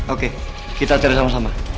oke kita cari sama sama